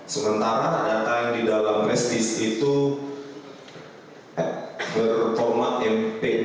sementara data yang di dalam flash disk itu dalam hexa stream atau bin stream